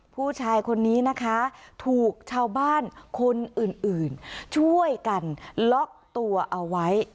ผู้ชายคนนี้นะคะถูกชาวบ้านคนอื่นช่วยกันล็อกตัวเอาไว้